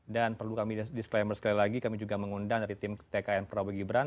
dan perlu kami disclaimer sekali lagi kami juga mengundang dari tim tkn prabowo gibran